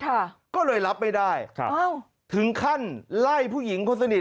ใช่ก็เลยรับไม่ได้ใช่ถึงขั้นไล่ผู้หญิงควรสนิท